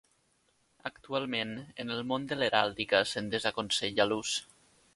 Actualment, en el món de l'heràldica se'n desaconsella l'ús.